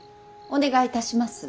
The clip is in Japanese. お願いいたします。